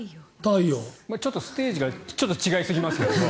ちょっとステージが違いすぎますけども。